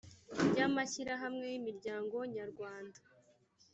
ry amashyirahamwe y imiryango nyarwanda